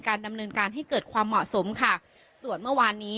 ดำเนินการให้เกิดความเหมาะสมค่ะส่วนเมื่อวานนี้